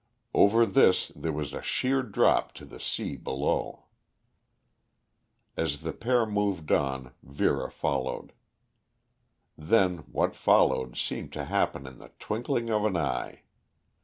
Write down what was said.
Over this there was a sheer drop to the sea below. As the pair moved on, Vera followed. Then what followed seemed to happen in the twinkling of an eye.